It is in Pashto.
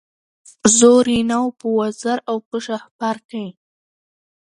زور یې نه وو په وزر او په شهپر کي